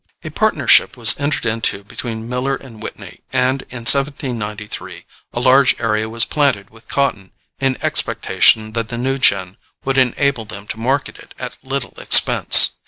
A partnership was entered into between Miller and Whitney, and in 1793 a large area was planted with cotton in expectation that the new gin would enable them to market it at little expense.